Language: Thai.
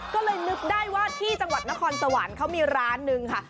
ก็เลยนึกได้ว่าที่จังหวัดนครสวรรค์เขามีร้านหนึ่งค่ะ